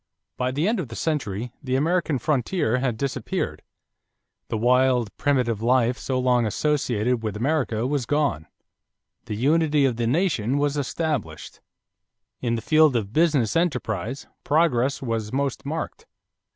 By the end of the century the American frontier had disappeared. The wild, primitive life so long associated with America was gone. The unity of the nation was established. In the field of business enterprise, progress was most marked.